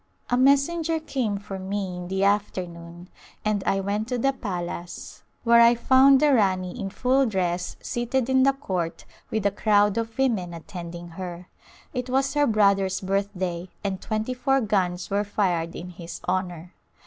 A messenger came for me in the afternoon and I went to the palace where I [ 204 ] Return to KJietri found the Rani in full dress seated in the court with a crowd of women attending her. It was her brother*s birthday and twenty four guns were fired in his honor.